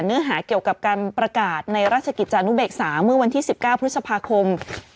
เนื้อหาเกี่ยวกับการประกาศในราชกิจจานุเบกษาเมื่อวันที่๑๙พฤษภาคม